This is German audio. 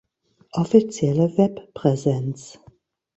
Offizielle Webpräsenz